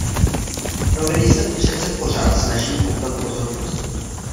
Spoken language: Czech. Noviny se přece pořád snaží upotat pozornost.